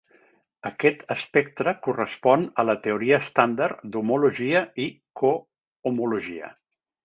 Aquest espectre correspon a la teoria estàndard d'homologia i cohomologia.